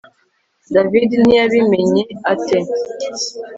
David ntiyabimenye ate